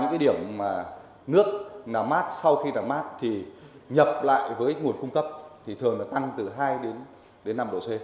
những cái điểm mà nước làm mát sau khi làm mát thì nhập lại với nguồn cung cấp thì thường là tăng từ hai đến năm độ c